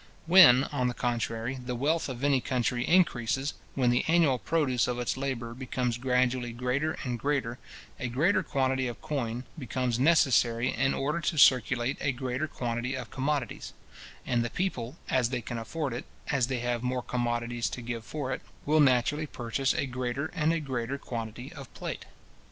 When, on the contrary, the wealth of any country increases, when the annual produce of its labour becomes gradually greater and greater, a greater quantity of coin becomes necessary in order to circulate a greater quantity of commodities: and the people, as they can afford it, as they have more commodities to give for it, will naturally purchase a greater and a greater quantity of plate.